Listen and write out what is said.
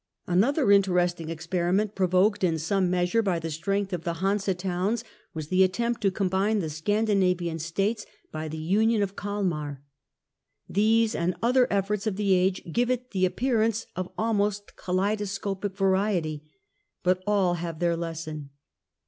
Another interesting experiment, provoked in some measure by the strength of the Hanse towns, was the attempt to combine the Scandinavian states by the Union of Kalmar. These and other efforts of the age give it the appearance of almost kaleidoscoijic variety, but all have their lesson.